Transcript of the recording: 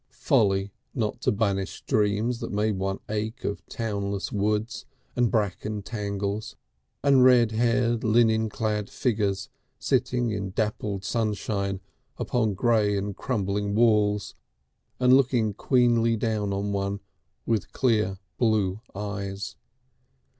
Folly not to banish dreams that made one ache of townless woods and bracken tangles and red haired linen clad figures sitting in dappled sunshine upon grey and crumbling walls and looking queenly down on one with clear blue eyes.